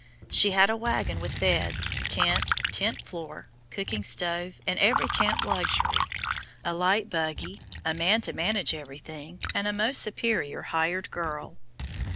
She had a wagon with beds, tent, tent floor, cooking stove, and every camp luxury, a light buggy, a man to manage everything, and a most superior "hired girl."